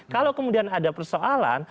kalau kemudian ada persoalan